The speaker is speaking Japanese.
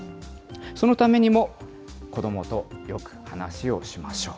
そのためにも、子どもとよく話をしましょう。